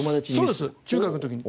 そうです中学の時の。